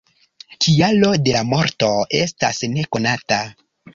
Kialo de la morto estas nekonata.